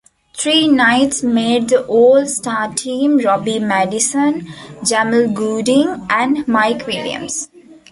Three Knights made the all-star team; Bobby Madison, Jamal Gooding, and Mike Williams.